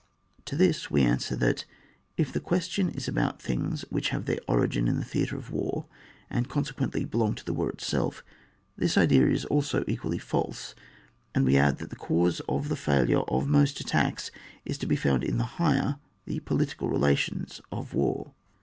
To this we answer that, if the question is about things which have their origin in the theatre of war, and consequently belong to the war itself, this idea is also equally false; and we add that the cause of the failure of most attacks is to be found in the higher, the political relations of war.